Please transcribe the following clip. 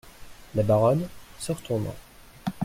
La Baronne , se retournant.